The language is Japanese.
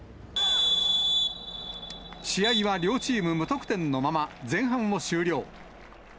試合は両チーム無得点のまま、前半を終了。